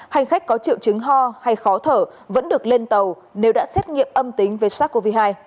hành khách có triệu chứng ho hay khó thở vẫn được lên tàu nếu đã xét nghiệm âm tính với sars cov hai